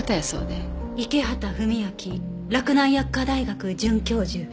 池畑文昭洛南薬科大学准教授。